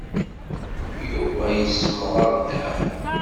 Yuba yessemɣer ddeɛwa.